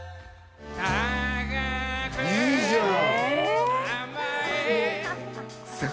いいじゃん！